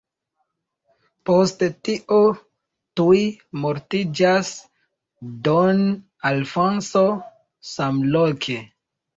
Post tio tuj mortiĝas don Alfonso samloke.